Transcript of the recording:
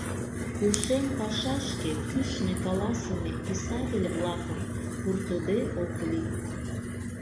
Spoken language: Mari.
Ушем пашашке кӱшнӧ каласыме писатель-влакым пуртыде ок лий.